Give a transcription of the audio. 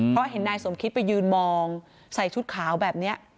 เพราะเห็นนายสมคิตไปยืนมองใส่ชุดขาวแบบนี้